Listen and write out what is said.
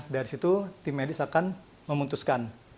dari situ tim medis akan memutuskan